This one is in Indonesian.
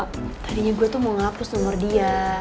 p carne gue tuh mau menghapus nomor dia